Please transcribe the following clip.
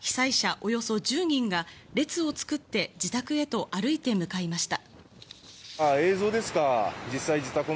およそ１０人が列をつくって自宅へと歩いて向かいました。